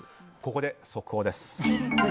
ここで速報です。